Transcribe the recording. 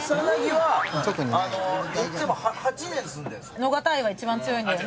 野方愛が一番強いんだよね。